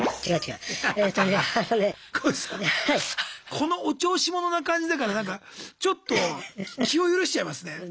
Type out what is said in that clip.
このお調子者な感じだからちょっと気を許しちゃいますね。